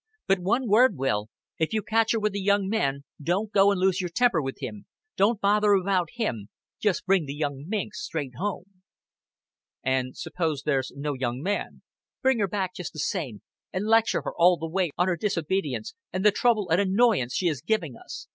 But, one word, Will. If you catch her with a young man don't go and lose your temper with him. Don't bother about him. Just bring the young minx straight home." "An' suppose there's no young man." "Bring her back just the same, and lecture her all the way on her disobedience and the trouble and annoyance she is giving us.